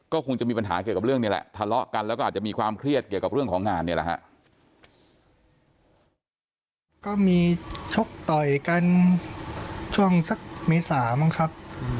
ก็คงจะมีปัญหาเกี่ยวกับเรื่องนี่แหละทะเลาะกันแล้วก็อาจจะมีความเครียดเกี่ยวกับเรื่องของงานเนี่ยแหละฮะ